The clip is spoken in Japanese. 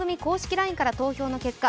ＬＩＮＥから投票の結果